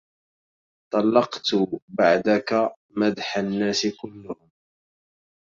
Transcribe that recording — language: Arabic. طلقت بعدك مدح الناس كلهم